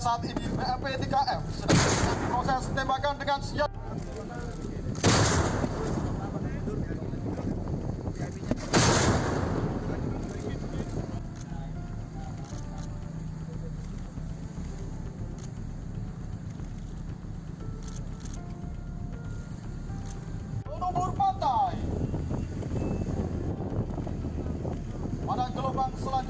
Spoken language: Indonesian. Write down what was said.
aduh tetap ikat tembakan ikat tembakan